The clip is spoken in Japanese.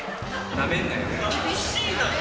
なめんなよ。